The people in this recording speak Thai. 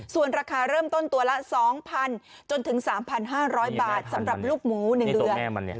ส่วนราคาเริ่มต้นตัวละ๒๐๐๐จนถึง๓๕๐๐บาทสำหรับลูกหมู๑เดือน